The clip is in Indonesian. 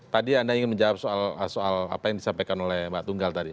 tadi anda ingin menjawab soal apa yang disampaikan oleh mbak tunggal tadi